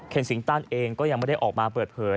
ซิงตันเองก็ยังไม่ได้ออกมาเปิดเผย